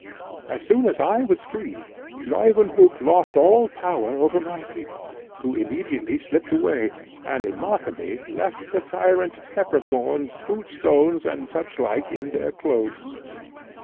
"As soon as I was free, Leuwenhock lost all power over my people, who immediately slipt away, and in mockery left the tyrant peppercorns, fruitstones, and such like, in their clothes.